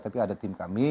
tapi ada tim kami